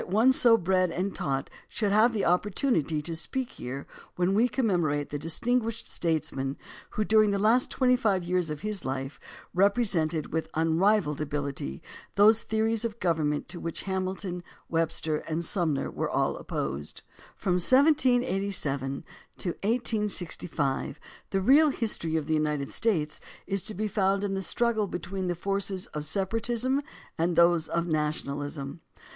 CALHOUN 161 one so bred and taught should have the opportunity to speak here when we commemorate the distinguished statesman who, during the last twenty five years of his life, represented with unrivalled ability those theories of government to which Hamilton, Webster, and Sumner were all opposed. From 1787 to 1865 the real history of the United States is to be found in the struggle between the forces of separatism and those of nationalism.